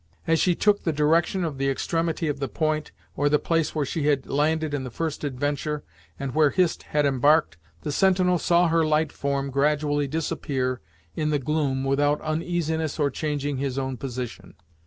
As she took the direction of the extremity of the point, or the place where she had landed in the first adventure, and where Hist had embarked, the sentinel saw her light form gradually disappear in the gloom without uneasiness or changing his own position.